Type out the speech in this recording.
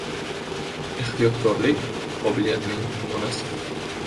• Ehtiyotkorlik ― qobiliyatning onasi.